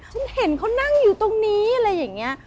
ฉันเห็นเขานั่งอยู่ตรงนี้อะไรอย่างนี้